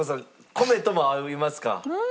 米とも合いますか？